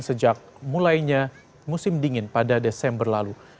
sejak mulainya musim dingin pada desember lalu